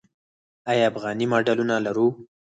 آیا افغاني ماډلونه لرو؟